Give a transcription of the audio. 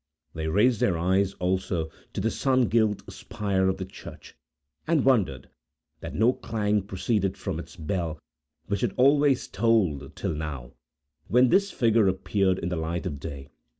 They raised their eyes, also, to the sun gilt spire of the church, and wondered that no clang proceeded from its bell, which had always tolled till now, when this figure appeared in the light of day.